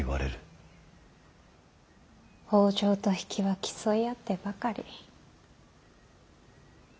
北条と比企は競い合ってばかり。